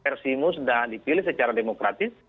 r simu sudah dipilih secara demokratis